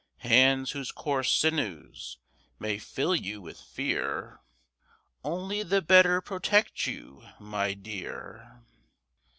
Hands whose coarse sinews may fill you with fear Only the better protect you, my dear!